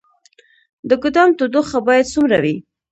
د ګدام تودوخه باید څومره وي؟